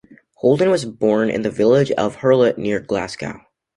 Holden was born in the village of Hurlet near Glasgow.